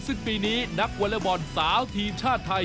ซึ่งปีนี้นักวอเลอร์บอลสาวทีมชาติไทย